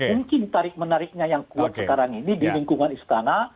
mungkin tarik menariknya yang kuat sekarang ini di lingkungan istana